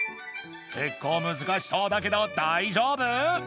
結構難しそうだけど大丈夫？